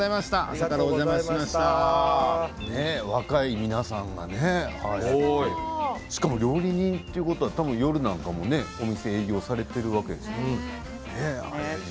若い皆さんがね、しかも料理人ということは夜なんかはお店を営業されているわけでしょう？